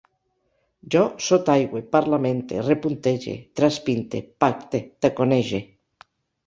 Jo sotaigüe, parlamente, repuntege, traspinte, pacte, taconege